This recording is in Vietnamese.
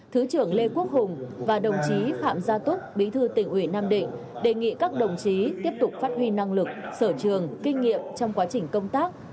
thứ trưởng lê quốc hùng và đồng chí phạm gia túc bí thư tỉnh ủy nam định đề nghị các đồng chí tiếp tục phát huy năng lực sở trường kinh nghiệm trong quá trình công tác